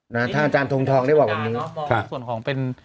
ถ้าอาจารย์ทรงทองได้บอกว่าแบบนี้